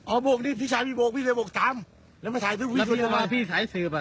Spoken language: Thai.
อันนี้ตัวนี้มันสายเสือบ